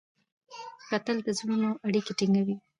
کتل د زړونو اړیکې ټینګوي